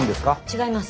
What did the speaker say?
違います。